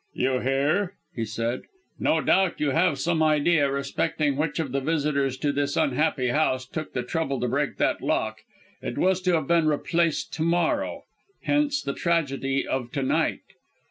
"You hear?" he said. "No doubt you have some idea respecting which of the visitors to this unhappy house took the trouble to break that lock? It was to have been replaced to morrow; hence the tragedy of to night."